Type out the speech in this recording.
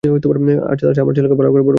আমি আমার ছেলেকে ভালো করে বড় করেছি!